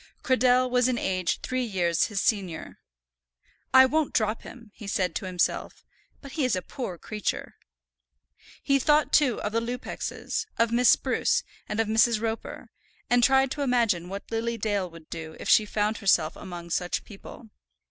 Cradell was in age three years his senior. "I won't drop him," he said to himself; "but he is a poor creature." He thought, too, of the Lupexes, of Miss Spruce, and of Mrs. Roper, and tried to imagine what Lily Dale would do if she found herself among such people.